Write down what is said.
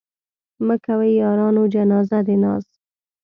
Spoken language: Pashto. مه کوئ يارانو جنازه د ناز